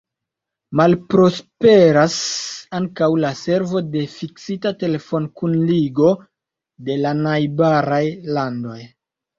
Malprosperas ankaŭ la servo de fiksita telefonkunligo de la najbaraj landoj.